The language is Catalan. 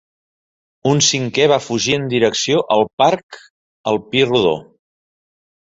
Un cinquè va fugir en direcció al parc al Pi Rodó.